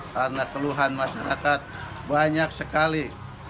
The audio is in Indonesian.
karena keluhan masyarakat banyak sekali